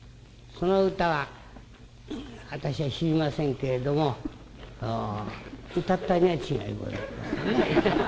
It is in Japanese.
その歌は私は知りませんけれども歌ったには違いございませんね。